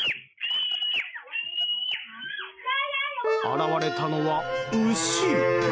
現れたのは牛。